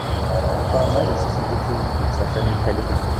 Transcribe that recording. D taɣerma i d llsas n tiktiwin akk tsertanin n tallit-nni.